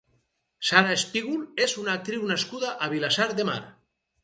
Sara Espígul és una actriu nascuda a Vilassar de Mar.